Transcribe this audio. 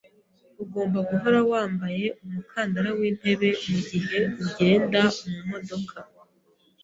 Ugomba guhora wambaye umukandara wintebe mugihe ugenda mumodoka.